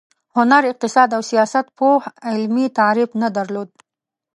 هنر، اقتصاد او سیاست پوخ علمي تعریف نه درلود.